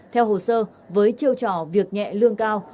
theo hồ sơ với chiêu trò việc nhẹ lương cao